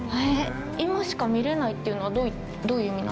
今しか見れないっていうのはどういう意味なんですか？